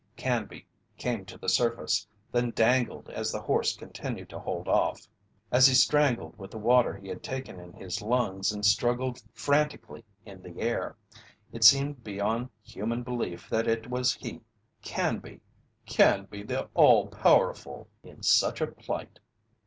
Canby came to the surface, then dangled as the horse continued to hold off. As he strangled with the water he had taken in his lungs and struggled frantically in the air, it seemed beyond human belief that it was he, Canby Canby the all powerful in such a plight!